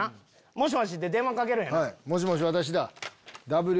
「もしもし」って電話かけるんやろ。